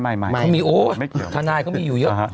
ไม่ไม่เกี่ยวธนายก็ไม่อยู่เยอะ